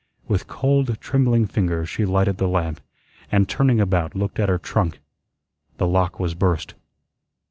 With cold, trembling fingers she lighted the lamp, and, turning about, looked at her trunk. The lock was burst.